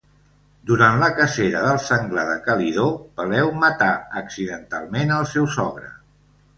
Durant la cacera del senglar de Calidó, Peleu matà accidentalment el seu sogre.